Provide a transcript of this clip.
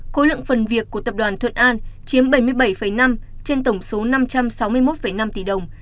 khối lượng phần việc của tập đoàn thuận an chiếm bảy mươi bảy năm trên tổng số năm trăm sáu mươi một năm tỷ đồng